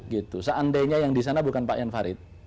gitu seandainya yang disana bukan pak enfired